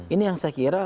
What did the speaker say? ini yang saya kira